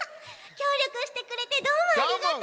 きょうりょくしてくれてどうもありがとち！